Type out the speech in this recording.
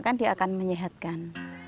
maka dia akan menyehatkan